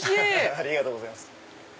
ありがとうございます。